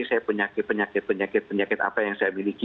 saya penyakit penyakit penyakit penyakit apa yang saya miliki